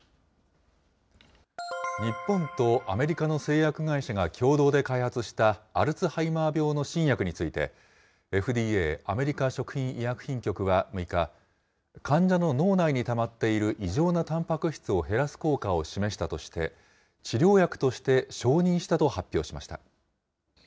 日本とアメリカの製薬会社が共同で開発したアルツハイマー病の新薬について、ＦＤＡ・アメリカ食品医薬品局は６日、患者の脳内にたまっている異常なたんぱく質を減らす効果を示したとして、治療薬として承認したと発表しました。